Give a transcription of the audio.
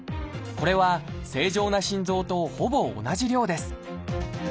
これは正常な心臓とほぼ同じ量です。